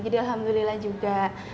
jadi alhamdulillah juga